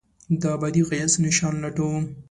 دابدي ښایست نشان لټوم